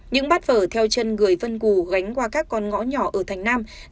những bát vở theo chân người vân cù gánh qua các con ngõ nhỏ ở thành nam